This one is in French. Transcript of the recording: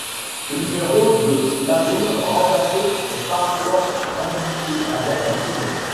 Le numéro de l'atome remplacé est parfois indiqué avec un tiret.